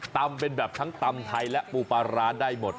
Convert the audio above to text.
ตำเป็นแบบทั้งตำไทยและปูปลาร้าได้หมด